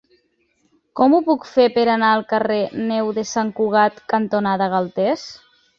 Com ho puc fer per anar al carrer Neu de Sant Cugat cantonada Galtés?